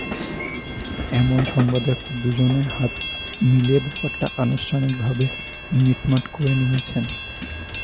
এমন সংবাদের পর দুজনে হাত মিলিয়ে ব্যাপারটা আনুষ্ঠানিকভাবে মিটমাট করে নিয়েছেন।